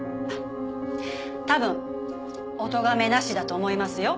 たぶんおとがめなしだと思いますよ。